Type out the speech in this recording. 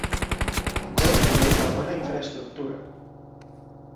Goza de una buena infraestructura.